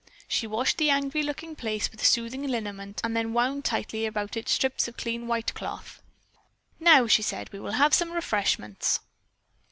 She washed the angry looking place with soothing liniment and then wound tightly about it strips of clean white cloth. "Now," she said, "we will have some refreshments."